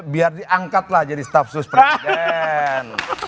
biar diangkatlah jadi staf sus presiden